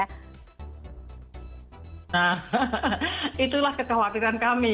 nah itulah kekhawatiran kami